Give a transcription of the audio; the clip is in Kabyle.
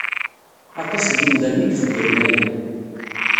Aṭas n yemdanen i yxeddmen aya.